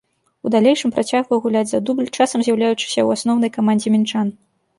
У далейшым працягваў гуляць за дубль, часам з'яўляючыся ў асноўнай камандзе мінчан.